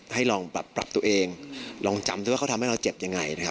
ให้ลองแบบปรับตัวเองลองจำด้วยว่าเขาทำให้เราเจ็บยังไงนะครับ